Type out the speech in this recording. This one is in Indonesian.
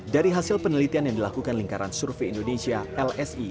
dari hasil penelitian yang dilakukan lingkaran survei indonesia lsi